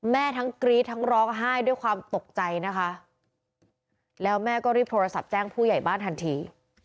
ทั้งกรี๊ดทั้งร้องไห้ด้วยความตกใจนะคะแล้วแม่ก็รีบโทรศัพท์แจ้งผู้ใหญ่บ้านทันที